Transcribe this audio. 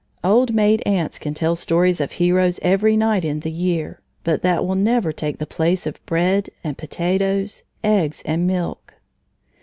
Old maid aunts can tell stories of heroes every night in the year, but that will never take the place of bread and potatoes, eggs and milk.